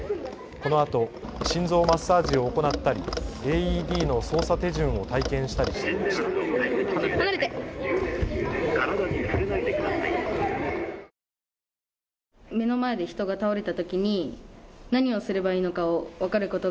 このあと心臓マッサージを行ったりＡＥＤの操作手順を体験したりしていました。